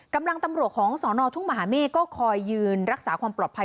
ตำรวจของสอนอทุ่งมหาเมฆก็คอยยืนรักษาความปลอดภัย